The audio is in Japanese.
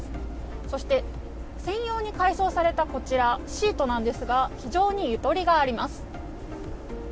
そして専用に改装されたシートなんですが非常にゆとりがあります。